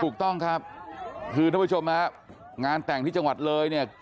ถูกต้องครับคือท่านผู้ชมครับงานแต่งที่จังหวัดเลยเนี่ย